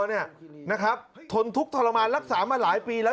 นะครับทนทุกข์ทรมานรักษามาหลายปีแล้ว